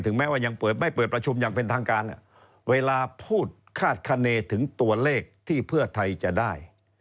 แม้ว่ายังเปิดไม่เปิดประชุมอย่างเป็นทางการเวลาพูดคาดคณีถึงตัวเลขที่เพื่อไทยจะได้